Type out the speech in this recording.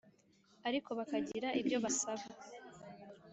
ariko bakagira ibyo basaba.